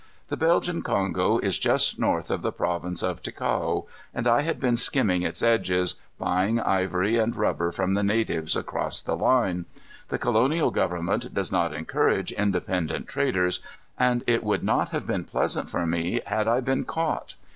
The Belgian Kongo is just north of the province of Ticao, and I had been skimming its edges, buying ivory and rubber from the natives across the line. The colonial government does not encourage independent traders, and it would not have been pleasant for me had I been caught.